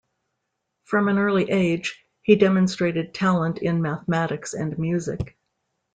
From an early age, he demonstrated talent in mathematics and music.